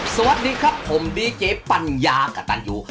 สวัสดีครับผมดีเจปัญญากับตันยู